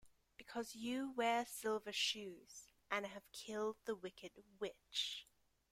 Because you wear silver shoes and have killed the wicked witch.